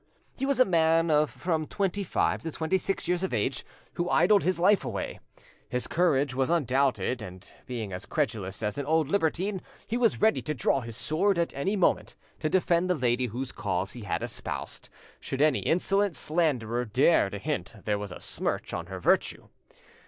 He was a man of from twenty five to twenty six years of age, who idled his life away: his courage was undoubted, and being as credulous as an old libertine, he was ready to draw his sword at any moment to defend the lady whose cause he had espoused, should any insolent slanderer dare to hint there was a smirch on her virtue.